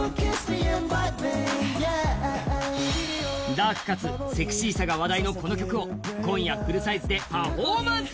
ダークかつセクシーさが話題のこの曲を今夜、フルサイズでパフォーマンス。